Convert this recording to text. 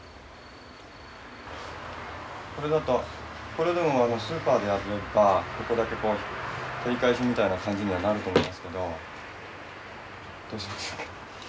これだとこれでもスーパーで始めるかここだけとり返しみたいな感じにはなると思いますけどどうしましょう？